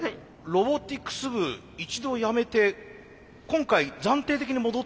ロボティクス部一度やめて今回暫定的に戻ってきたって聞きました。